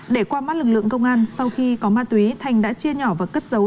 để qua mắt lực lượng công an sau khi có ma túy thành đã chia nhỏ và cất dấu